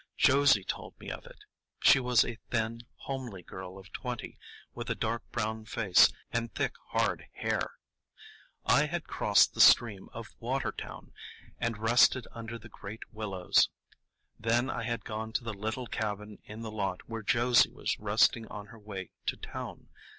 Josie told me of it; she was a thin, homely girl of twenty, with a dark brown face and thick, hard hair. I had crossed the stream at Watertown, and rested under the great willows; then I had gone to the little cabin in the lot where Josie was resting on her way to town.